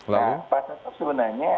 nah pak setia sebenarnya